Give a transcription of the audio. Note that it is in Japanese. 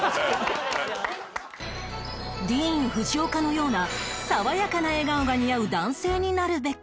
ディーン・フジオカのようなさわやかな笑顔が似合う男性になるべく